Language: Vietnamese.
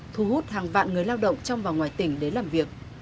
thu hút hàng vạn người lao động trong và ngoài tỉnh đến làm việc